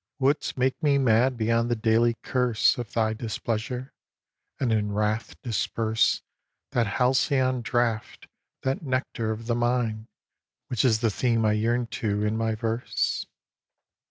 Wouldst make me mad beyond the daily curse Of thy displeasure, and in wrath disperse That halcyon draught, that nectar of the mind, Which is the theme I yearn to in my verse?